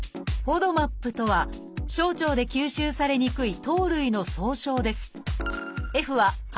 「ＦＯＤＭＡＰ」とは小腸で吸収されにくい糖類の総称です